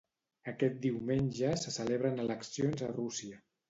Aquest diumenge se celebren eleccions a Rússia.